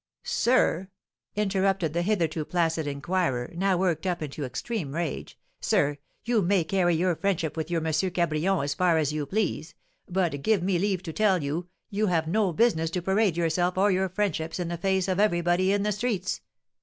"Sir!" interrupted the hitherto placid inquirer, now worked up into extreme rage, "Sir! You may carry your friendship with your M. Cabrion as far as you please, but, give me leave to tell you, you have no business to parade yourself or your friendships in the face of everybody in the streets.